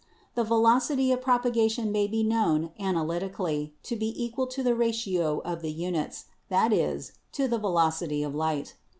The velocity of propa gation may be known analytically to be equal to the ratio of the units — that is, to the velocity of light.